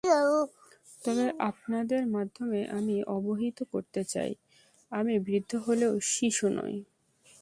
তবে আপনাদের মাধ্যমে আমি অবহিত করতে চাই, আমি বৃদ্ধ হলেও শিশু নই।